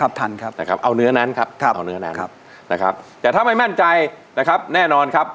ครับทันครับเอาเนื้อนั้นครับนะครับแต่ถ้าไม่มั่นใจนะครับแน่นอนครับ